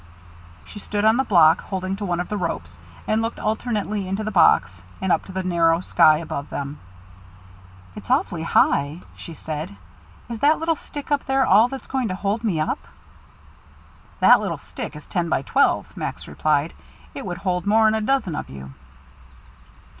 She stood on the block, holding to one of the ropes, and looking alternately into the box and up to the narrow sky above them. "It's awfully high," she said. "Is that little stick up there all that's going to hold me up?" "That little stick is ten by twelve," Max replied. "It would hold more'n a dozen of you."